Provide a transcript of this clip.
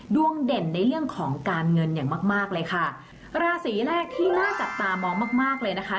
ดวงเด่นในเรื่องของการเงินอย่างมากมากเลยค่ะราศีแรกที่น่าจับตามองมากมากเลยนะคะ